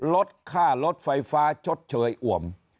ลดค่ารถไฟฟ้าชดเชยอ่วม